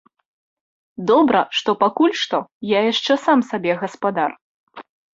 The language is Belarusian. Добра, што пакуль што я яшчэ сам сабе гаспадар.